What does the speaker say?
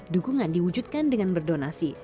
dukungan diwujudkan dengan berdonasi